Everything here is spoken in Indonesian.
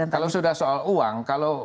kalau sudah soal uang